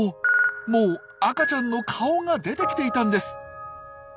もう赤ちゃんの顔が出てきていたんです！